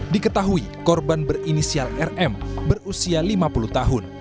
diketahui korban berinisial rm berusia lima puluh tahun